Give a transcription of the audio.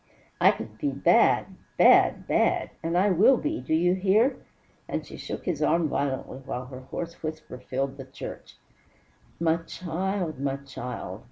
I could be bad bad bad and I will be! Do you hear?" And she shook his arm violently, while her hoarse voice filled the church. "My child! My child!